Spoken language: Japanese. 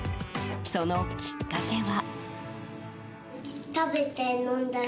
そのきっかけは。